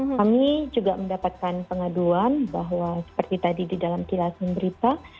kami juga mendapatkan pengaduan bahwa seperti tadi di dalam kilasan berita